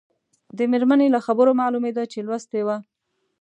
د مېرمنې له خبرو معلومېده چې لوستې وه.